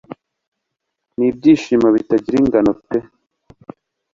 nibyishimo, bitagira ingano pe